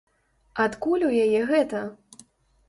Адкуль у яе гэта?